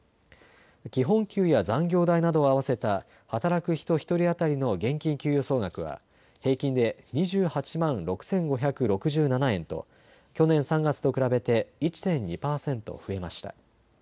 基本給や残業代などを合わせた働く人１人当たりの現金給与総額は平均で２８万６５６７円と去年３月と比べて１．２％増えました。